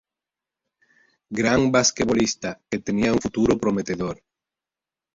Gran basquetbolista que tenia un futuro prometedor.